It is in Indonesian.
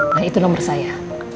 nah itu nomer saya